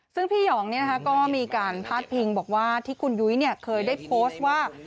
ซึ่งพี่หย่องเนี้ยะก็มามีการพาดพิงบอกว่าที่คุณยุ้ยเนี่ยใครได้โฟส์ว่า